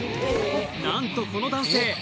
なんとこの男性